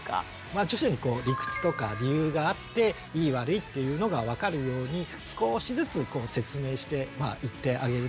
徐々にこう理屈とか理由があっていい悪いっていうのが分かるように少しずつ説明していってあげるといいかなっていうふうに思います。